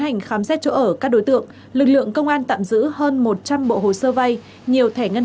hành khám xét chỗ ở các đối tượng lực lượng công an tạm giữ hơn một trăm linh bộ hồ sơ vay nhiều thẻ ngân